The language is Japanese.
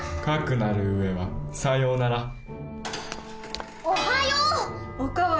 かくなる上はさようなら。